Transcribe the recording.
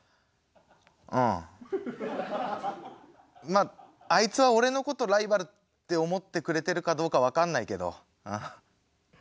まああいつは俺のことライバルって思ってくれてるかどうか分かんないけど。